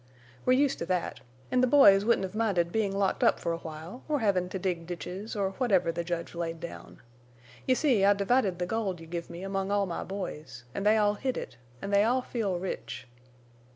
We're used to thet, an' the boys wouldn't hev minded bein' locked up fer a while, or hevin' to dig ditches, or whatever the judge laid down. You see, I divided the gold you give me among all my boys, an' they all hid it, en' they all feel rich.